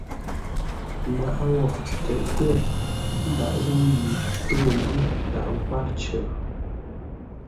Nŋwaʼa wó keʼtə́ ndǎghʼ zə̂u yi túŋə́ ngʉ́ ndǎghʼ kwár cər.